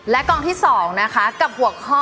และกล่องที่๒นะคะกับหัวข้อ